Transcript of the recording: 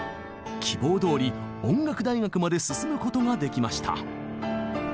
希望どおり音楽大学まで進むことができました。